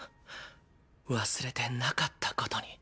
忘れてなかったことに。